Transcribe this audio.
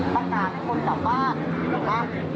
วันนี้ก็ไม่ได้ปลาสายอะไรเลย